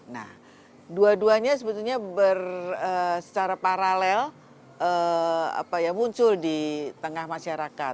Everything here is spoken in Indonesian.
nah dua duanya sebetulnya secara paralel muncul di tengah masyarakat